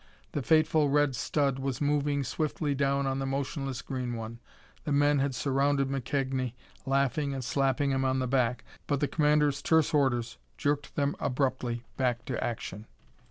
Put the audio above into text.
The fateful red stud was moving swiftly down on the motionless green one. The men had surrounded McKegnie, laughing and slapping him on the back, but the commander's terse orders jerked them abruptly back to action.